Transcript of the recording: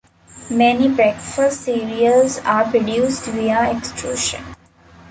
Many breakfast cereals are produced via extrusion.